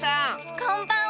こんばんは！